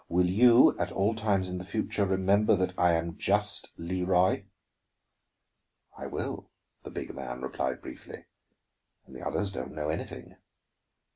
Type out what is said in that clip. Will you, at all times in the future, remember that I am just Leroy?" "I will," the big man replied briefly. "And the others don't know anything."